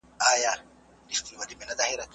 ژبه بايد يوازې ولسي پاتې نشي.